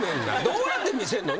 どうやって見せんの。